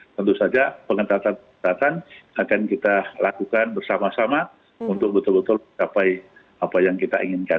tentu saja pengetatan pengetatan akan kita lakukan bersama sama untuk betul betul mencapai apa yang kita inginkan